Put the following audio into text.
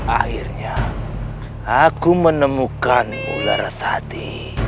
akhirnya aku menemukanmu larasati